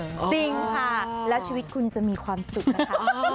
จริงค่ะแล้วชีวิตคุณจะมีความสุขนะคะ